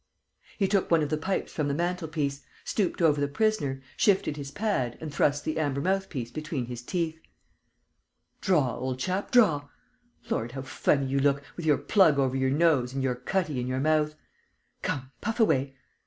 He took one of the pipes from the mantel piece, stooped over the prisoner, shifted his pad and thrust the amber mouth piece between his teeth: "Draw, old chap, draw. Lord, how funny you look, with your plug over your nose and your cutty in your mouth. Come, puff away.